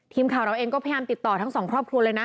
ทีมข่าวเราเองก็พยายามติดต่อทั้งสองครอบครัวเลยนะ